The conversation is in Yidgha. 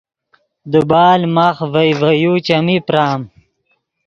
دیبال ماخ ڤئے ڤے یو چیمین پرآم